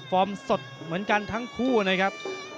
สดเหมือนกันทั้งคู่นะครับ